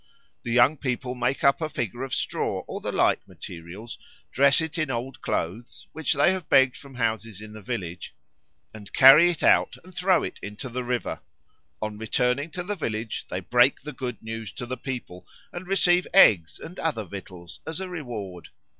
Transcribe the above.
The young people make up a figure of straw or the like materials, dress it in old clothes, which they have begged from houses in the village, and carry it out and throw it into the river. On returning to the village they break the good news to the people, and receive eggs and other victuals as a reward.